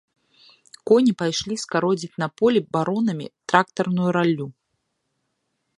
Коні пайшлі скародзіць на полі баронамі трактарную раллю.